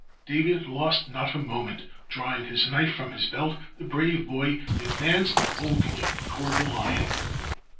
David lost not a moment. Drawing his knife from his belt, the brave boy advanced boldly toward the lion.